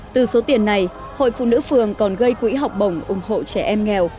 từ số tiền này hội phụ nữ phường còn gây quỹ học bổng ủng hộ trẻ em nghèo